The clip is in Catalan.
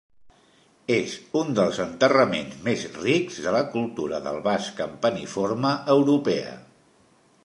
És un dels enterraments més rics de la cultura del vas campaniforme europea.